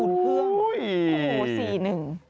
โอ้โหสี่หนึ่ง